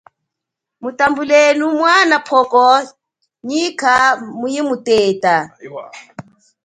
Mutambule mwana pwoko, nyikha muyimuteta.